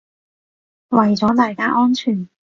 為咗大家安全